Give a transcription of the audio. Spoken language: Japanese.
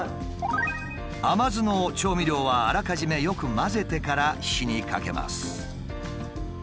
甘酢の調味料はあらかじめよく混ぜてから火にかけます。